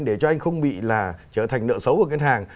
để cho anh không bị là trở thành nợ xấu của ngân hàng